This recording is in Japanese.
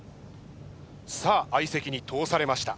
さあ相席に通されました。